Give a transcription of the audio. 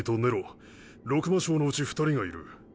六魔将のうち２人がいる。